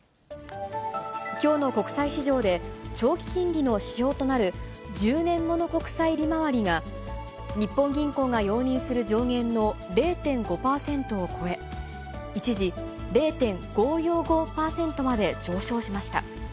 きょうの国際市場で、長期金利の指標となる１０年物国債利回りが、日本銀行が容認する上限の０．５％を超え、一時０．５４５％まで上昇しました。